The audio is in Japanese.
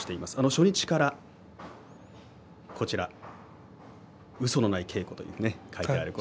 初日から嘘のない稽古と書いてあります。